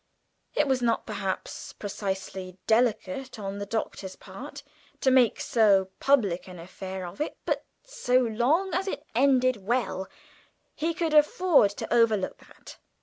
It was not perhaps precisely delicate on the Doctor's part to make so public an affair of it, but so long as it ended well, he could afford to overlook that.